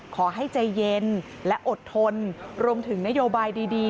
ขอให้ใจเย็นและอดทนรวมถึงนโยบายดี